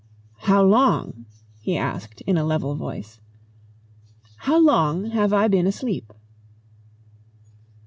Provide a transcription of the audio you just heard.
"How long?" he asked in a level voice. "How long have I been asleep?"